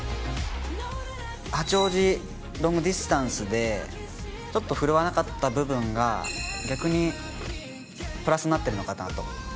八王子ロングディスタンスでちょっと振るわなかった部分が逆にプラスになっているのかなと。